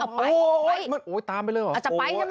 อ๋อโอ๊ยโอ๊ยโฮยตามไปเลยเหรออาจจะไปใช่มั้ย